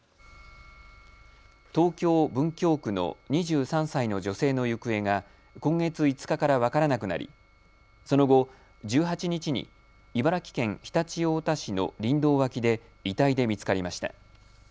東京文京区の２３歳の女性の行方が今月５日から分からなくなりその後、１８日に茨城県常陸太田市の林道脇で遺体で見つかりました。